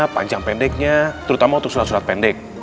panjang pendeknya terutama untuk surat surat pendek